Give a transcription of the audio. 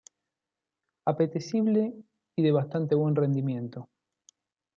Apetecible y de bastante buen rendimiento.